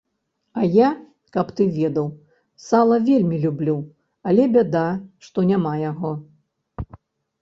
А я, каб ты ведаў, сала вельмі люблю, але бяда, што няма яго.